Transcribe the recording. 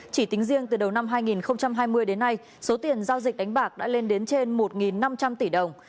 chỉ tính riêng từ đầu năm hai nghìn hai mươi đến nay số tiền giao dịch đánh bạc đã lên đến trên một năm trăm linh tỷ đồng